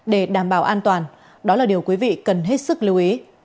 để đảm bảo an toàn đó là điều quý vị cần hết sức lưu ý